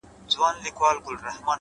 • هم یې پښې هم یې لاسونه رېږېدله,